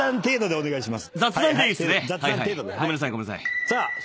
お願いします！